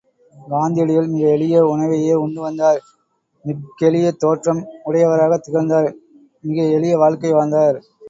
காந்தியடிகள் மிக எளிய உணவையே உண்டுவந்தார் மிக்கெளிய தோற்றம் உடையவராகத் திகழ்ந்தார் மிக எளிய வாழ்க்கை வாழ்ந்தார்.